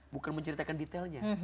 bukan menceritakan detailnya